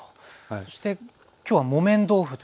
そして今日は木綿豆腐ということで。